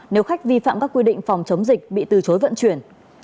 nếu khách vi phạm các quy định phòng chống dịch bị từ chối vận chuyển